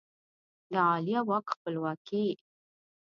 د عالیه واک خپلواکي